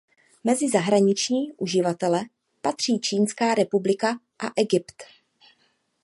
Mezi zahraniční uživatele patří Čínská republika a Egypt.